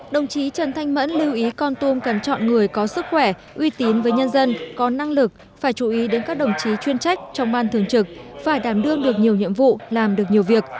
đồng chí trần thanh mẫn lưu ý con tum cần chọn người có sức khỏe uy tín với nhân dân có năng lực phải chú ý đến các đồng chí chuyên trách trong ban thường trực phải đảm đương được nhiều nhiệm vụ làm được nhiều việc